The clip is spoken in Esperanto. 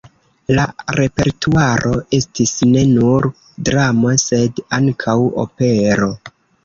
La repertuaro estis ne nur dramo, sed ankaŭ opero.